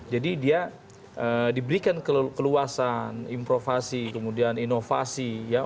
jadi dia diberikan keluasan improvasi kemudian inovasi